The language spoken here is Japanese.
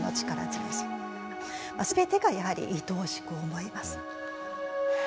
全てがやはりいとおしく思います。